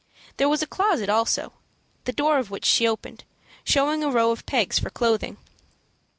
There was a closet also, the door of which she opened, showing a row of pegs for clothing.